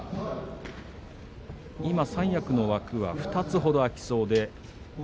今、三役の枠は２つほど空きそうです。